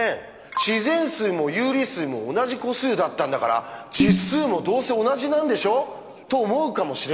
自然数も有理数も同じ個数だったんだから実数もどうせ同じなんでしょ」と思うかもしれません。